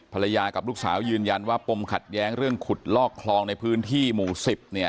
ภรรยากับลูกสาวยืนยันว่าปมขัดแย้งเรื่องขุดลอกคลองในพื้นที่หมู่๑๐เนี่ย